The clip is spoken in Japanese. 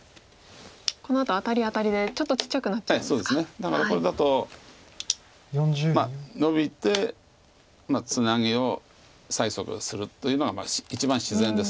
だからこれだとまあノビてツナギを催促するというのが一番自然です。